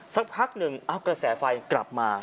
สักพักหนึ่งกระแสไฟกลับมา